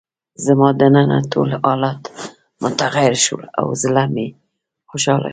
زما دننه ټول حالات متغیر شول او زړه مې خوشحاله شو.